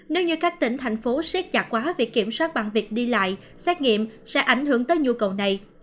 nếu như các tỉnh thành phố siết chặt quá việc kiểm soát bằng việc đi lại xét nghiệm sẽ ảnh hưởng tới nhu cầu này